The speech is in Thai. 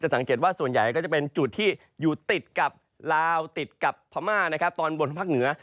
สังเกตว่าส่วนใหญ่ก็จะเป็นจุดที่อยู่ติดกับลาวติดกับพม่านะครับตอนบนของภาคเหนือ